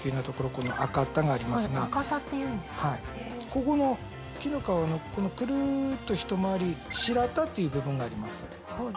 ここの木のかわのクルっとひと回り白太っていう部分があります。